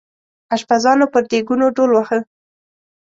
اشپزانو پر دیګونو ډول واهه.